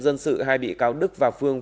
dân sự hai bị cáo đức và phương